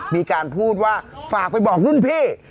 มีการพูดว่าฝากไปบอกรุ่นพี่